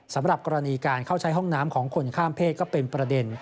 สำหรับกรณีการเข้าใช้ห้องน้ำของคนข้ามเพศก็เป็นประเด็น